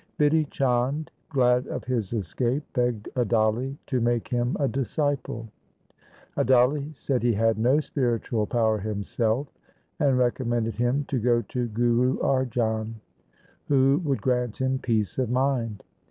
Bidhi Chand, glad of his escape, begged Adali to make him a disciple. Adali said he had no spiritual power himself, and recommended him to go to Guru Arjan, who would grant him peace of mind.